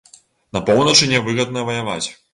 На поўначы нявыгадна ваяваць.